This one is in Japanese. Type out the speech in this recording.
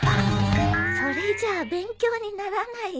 それじゃあ勉強にならないよ。